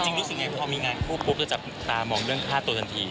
จริงนี่สิไงพอมีงานคู่จะจับตามองเรื่องฆ่าตัวทันที